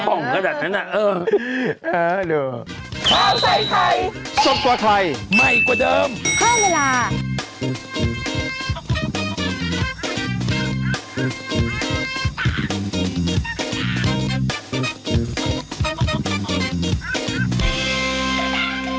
บ้องขนาดนั้นน่ะเออ